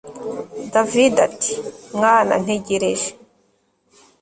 david ati mwana ntegereje